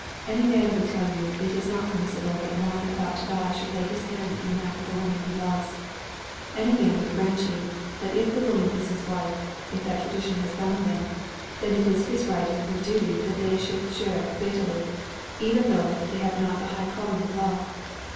Any man would tell you it is not permissible that one about to die should lay his hand in that of the woman he loves. And any man would grant you, that if the woman is his wife, if that tradition has bound them, then it is his right and her duty that they should share fatality, even though they have not the high calling of love.